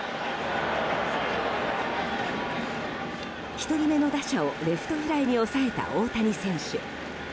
１人目の打者をレフトフライに抑えた大谷選手。